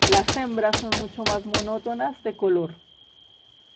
Las hembras son mucho más monótonas de color.